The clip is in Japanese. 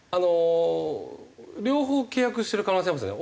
両方契約している可能性ありますね。